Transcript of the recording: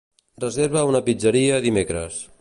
Reserva a una pizzeria dimecres.